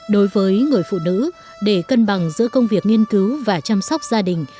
đối với người phụ nữ để cân bằng giữa công việc nghiên cứu và chăm sóc gia đình